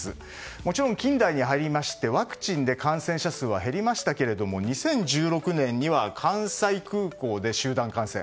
もちろん近代に入りましてワクチンで感染者数は減りましたけども２０１６年には関西空港で集団感染。